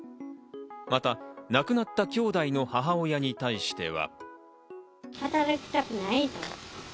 また亡くなった兄弟の母親に対しては。